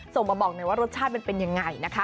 ส่งมาบอกหน่อยว่ารสชาติมันเป็นยังไงนะคะ